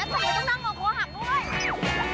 แล้วใครต้องนั่งออกโมหักด้วย